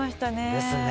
ですね。